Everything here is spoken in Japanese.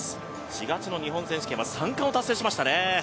４月の日本選手権は３冠を達成しましたね。